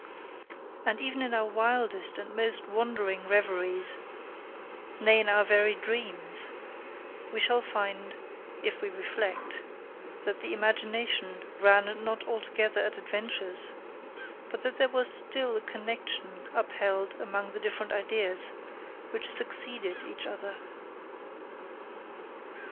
And even in our wildest and most wandering reveries, nay in our very dreams, we shall find, if we reflect, that the imagination ran not altogether at adventures, but that there was still a connexion upheld among the different ideas, which succeeded each other.